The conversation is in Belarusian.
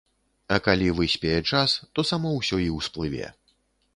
А калі выспее час, то само ўсё і ўсплыве.